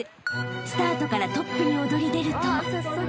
［スタートからトップに躍り出ると］